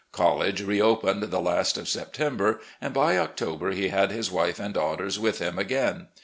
College reopened the last of September, and by October he had his wife and daughters with him again.